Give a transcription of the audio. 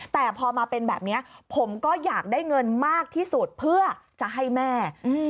แต่พอมาเป็นแบบนี้ผมก็อยากได้เงินมากที่สุดเพื่อจะให้แม่